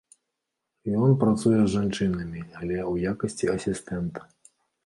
Ён працуе з жанчынамі, але ў якасці асістэнта.